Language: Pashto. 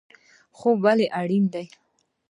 خوب ولې اړین دی؟